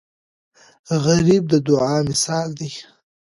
غریب د دعاو مثال دی